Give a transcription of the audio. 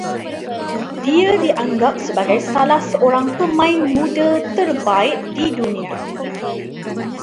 Dia dianggap sebagai salah seorang pemain muda terbaik di dunia